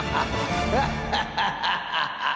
ハッハハハハ。